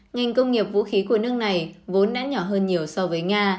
ngành công nghiệp vũ khí của nước này vốn đã nhỏ hơn nhiều so với nga